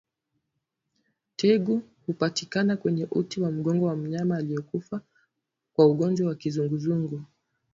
Tegu hupatikana kwenye uti wa mgongo wa mnyama aliyekufa kwa ugonjwa wa kizunguzungu